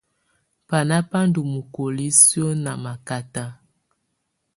Bána bá ndɔ́ mukoli suǝ́ ná makata.